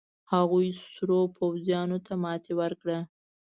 هغوې سرو پوځيانو ته ماتې ورکړه.